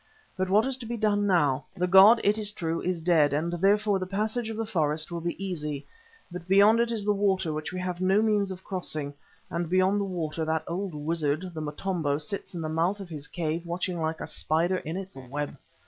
But what is to be done now? The god, it is true, is dead, and therefore the passage of the forest will be easy. But beyond it is the water which we have no means of crossing and beyond the water that old wizard, the Motombo, sits in the mouth of his cave watching like a spider in its web.